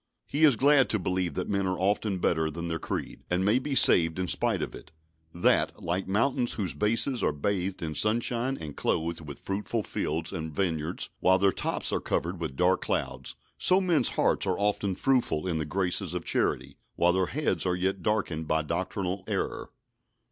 He is glad to believe that men are often better than their creed, and may be saved in spite of it; that, like mountains whose bases are bathed with sunshine and clothed with fruitful fields and vineyards, while their tops are covered with dark clouds, so men's hearts are often fruitful in the graces of charity, while their heads are yet darkened by doctrinal error.